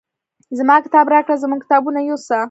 زما کتاب راکړه زموږ کتابونه یوسه.